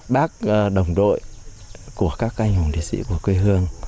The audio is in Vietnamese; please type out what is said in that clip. bác đồng đội của các anh hùng liệt sĩ của quê hương